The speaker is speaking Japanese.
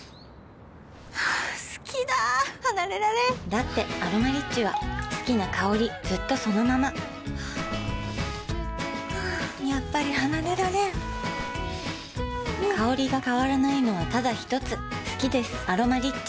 好きだ離れられんだって「アロマリッチ」は好きな香りずっとそのままやっぱり離れられん香りが変わらないのはただひとつ好きです「アロマリッチ」